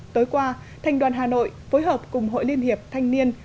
tối qua thành đoàn hà nội phối hợp cùng hội liên hiệp thanh niên